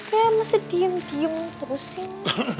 saya masih diem diem terusin